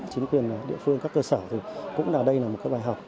chính quyền địa phương các cơ sở thì cũng là đây là một cái bài học